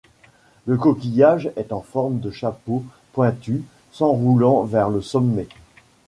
Le coquillage est en forme de chapeau pointu s'enroulant vers le sommet.